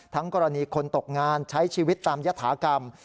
กรณีคนตกงานใช้ชีวิตตามยฐากรรม